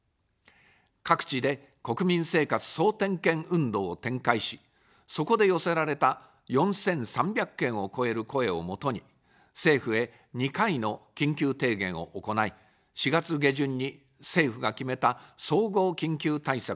各地で国民生活総点検運動を展開し、そこで寄せられた４３００件を超える声をもとに、政府へ２回の緊急提言を行い、４月下旬に政府が決めた総合緊急対策に反映させました。